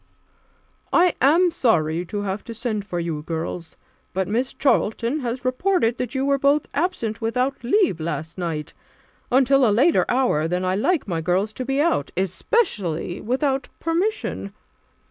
"I am sorry to have to send for you, girls, but Miss Charlton has reported that you were both absent without leave last night until a later hour than I like my girls to be out especially without permission.